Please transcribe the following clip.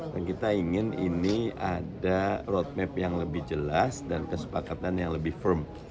kita ingin ini ada roadmap yang lebih jelas dan kesepakatan yang lebih firm